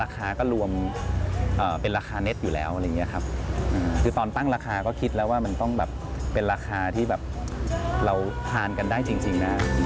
คือตอนตั้งราคาก็คิดแล้วว่ามันต้องเป็นราคาที่เราทานกันได้จริง